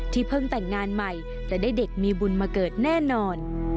เพิ่งแต่งงานใหม่จะได้เด็กมีบุญมาเกิดแน่นอน